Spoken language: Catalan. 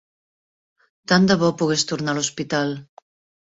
Tant de bo pogués tornar a l'hospital.